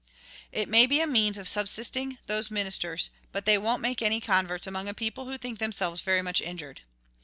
"It may be a means of subsisting those ministers, but they won't make many converts among a people who think themselves very much injured."